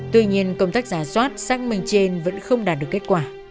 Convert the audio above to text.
tuy nhiên công tác giả soát xác minh trên vẫn không đạt được kết quả